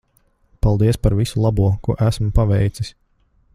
Paldies par visu labo ko esmu paveicis.